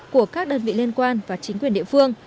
của các đơn vị liên quan và chính quyền địa phương